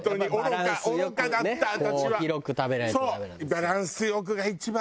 バランス良くが一番。